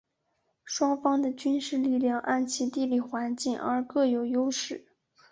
双方的军事力量按其地理环境而各有优势。